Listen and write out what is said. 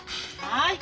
はい。